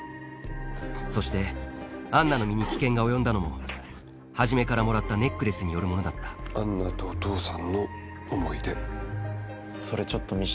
そしてアンナの身に危険が及んだのも始からもらったネックレスによるものだったアンナとお父さんの思い出それちょっと見して。